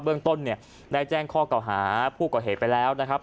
เรื่องต้นเนี่ยได้แจ้งข้อเก่าหาผู้ก่อเหตุไปแล้วนะครับ